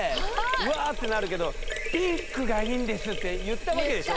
「わぁ！」ってなるけど「ピンクがいいんです！」って言ったわけでしょ